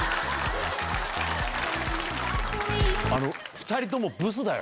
２人ともブスだよ。